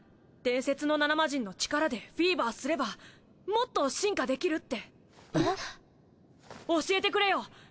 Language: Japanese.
伝説の７マジンの力でフィーバーすればもっと進化できるって教えてくれよ！